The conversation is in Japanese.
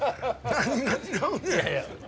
何がちゃうねや。